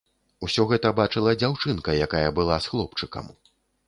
Усё гэта бачыла дзяўчынка, якая была з хлопчыкам.